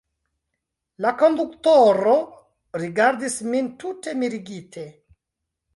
La konduktoro rigardis min tute mirigita.